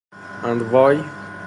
And why?